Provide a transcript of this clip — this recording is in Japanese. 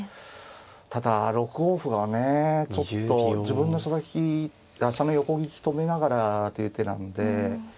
ただ６五歩がねちょっと自分の飛車先飛車の横利き止めながらという手なんで。